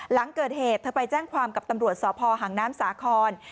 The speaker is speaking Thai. หลังเกิดเหตุเธอไปแจ้งความกับตำรวจสพหางน้ำสาคร